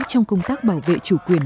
trong công tác bảo vệ chủ quyền